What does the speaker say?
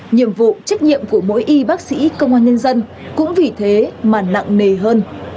nhiệm vụ trách nhiệm của mỗi y bác sĩ công an nhân dân cũng vì thế mà nặng nề hơn